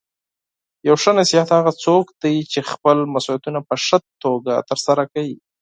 یو ښه شخصیت هغه څوک دی چې خپل مسؤلیتونه په ښه توګه ترسره کوي.